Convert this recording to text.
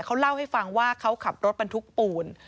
เขาเล่าให้ฟังว่าเขาขับรถบรรทุกปูน